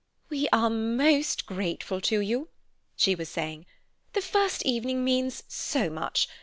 "We are most grateful to you," she was saying. "The first evening means so much.